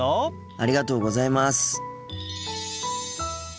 ありがとうございます。